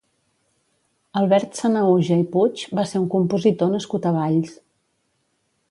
Albert Sanahuja i Puig va ser un compositor nascut a Valls.